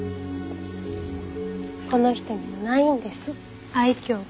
この人もないんです愛嬌が。